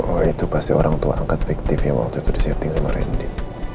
oh itu pasti orang tua angkat fiktif yang waktu itu disetting sama rendy